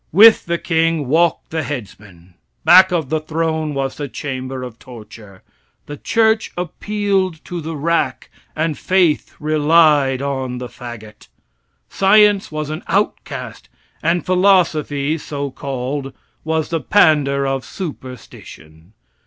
With the king walked the headsman; back of the throne was the chamber of torture. The church appealed to the rack, and faith relied on the fagot. Science was an outcast, and philosophy, so called, was the pander of superstition.